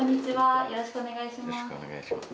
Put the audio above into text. よろしくお願いします。